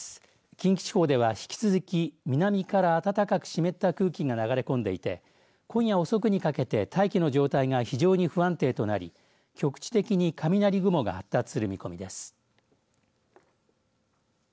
近畿地方では引き続き南から暖かく湿った空気が流れ込んでいて今夜遅くにかけて大気の状態が非常に不安定となり局地的に雷雲が発達する見込みです。